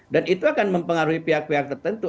dan itu akan mempengaruhi pihak pihak tertentu